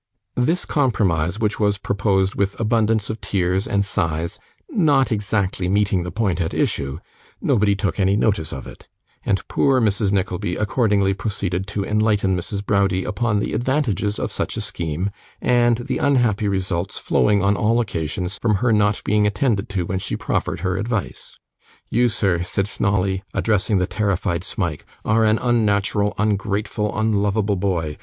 This compromise, which was proposed with abundance of tears and sighs, not exactly meeting the point at issue, nobody took any notice of it; and poor Mrs. Nickleby accordingly proceeded to enlighten Mrs. Browdie upon the advantages of such a scheme, and the unhappy results flowing, on all occasions, from her not being attended to when she proffered her advice. 'You, sir,' said Snawley, addressing the terrified Smike, 'are an unnatural, ungrateful, unlovable boy.